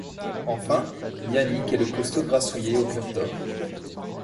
Enfin Yannick est le costaud grassouillet au cœur d'or.